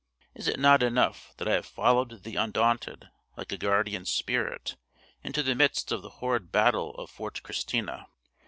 Is it not enough that I have followed thee undaunted, like a guardian spirit, into the midst of the horrid battle of Fort Christina?